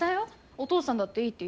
お父さんだっていいって言ったよ。